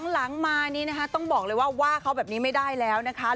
หลังมานี้นะคะต้องบอกเลยว่าว่าเขาแบบนี้ไม่ได้แล้วนะคะ